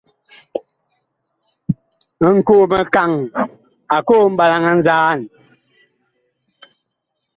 Nkoo-mikaŋ a koo mɓalaŋ a nzaan.